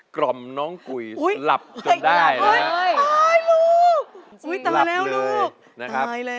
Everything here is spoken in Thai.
ก็อ้วนไปเอง